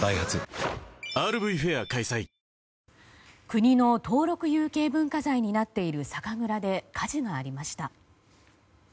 国の登録有形文化財になっている酒蔵で火事がありました。